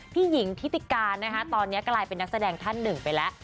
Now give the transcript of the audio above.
พี่หญิงทิติการนะคะตอนนี้กลายเป็นนักแสดงท่านหนึ่งไปแล้ว